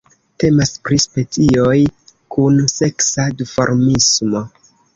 Temas pri specioj kun seksa duformismo.